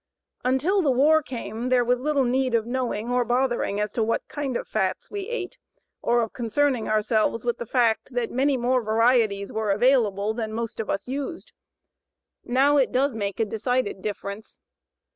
Until the war came there was little need of knowing or bothering as to what kind of fats we ate, or of concerning ourselves with the fact that many more varieties were available than most of us used. Now it does make a decided difference.